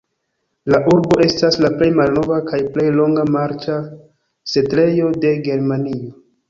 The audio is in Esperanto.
La urbo estas la plej malnova kaj plej longa marĉa setlejo de Germanio.